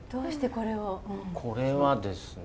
これはですね